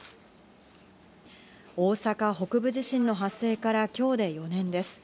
大阪北部地震の発生から今日で４年です。